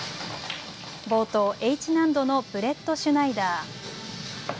冒頭、Ｈ難度のブレットシュナイダー。